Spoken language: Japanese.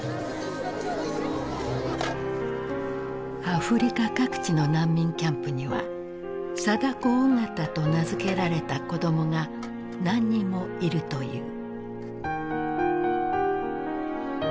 アフリカ各地の難民キャンプにはサダコオガタと名付けられた子どもが何人もいるという。